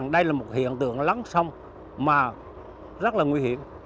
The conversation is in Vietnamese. đây là một hiện tượng lắng sông mà rất là nguy hiểm